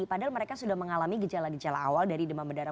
padahal mereka sudah mengalami gejala gejala awal dari demam berdarah